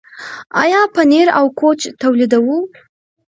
آیا پنیر او کوچ تولیدوو؟